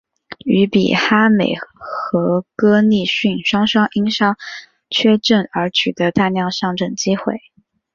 于比哈美和哥利逊双双因伤缺阵而取得大量上阵机会。